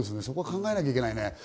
そこは考えなきゃいけないね。